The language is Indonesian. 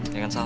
ya kan sal